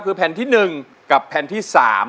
คือแผ่นที่๑กับแผ่นที่๓